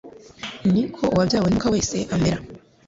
Ni ko uwabyawe n’Umwuka wese amera.”